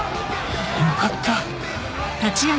よかった。